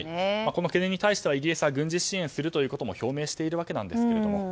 この懸念に対してはイギリスは軍事支援することも表明しているわけなんですが。